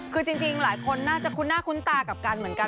คือจริงกันน่าคุ้นตากับกันนั้นก็เหมือนกัน